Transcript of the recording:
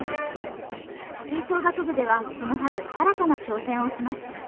吹奏楽部ではこの春新たな挑戦をします。